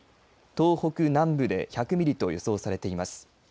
東北南部で１００ミリと予想されています。